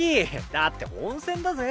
だって本戦だぜ。